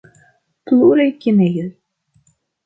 Pluraj kinejoj.